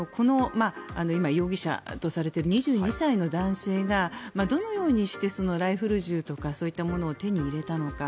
今、容疑者とされている２２歳の男性がどのようにしてライフル銃とかそういったものを手に入れたのか。